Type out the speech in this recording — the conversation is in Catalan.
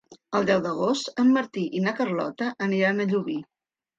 El deu d'agost en Martí i na Carlota aniran a Llubí.